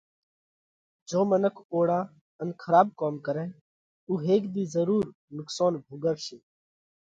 جيو منک اوۯا ان کراٻ ڪوم ڪرئه اُو هيڪ ۮِي ضرُور نُقصونَ ڀوڳوَشي۔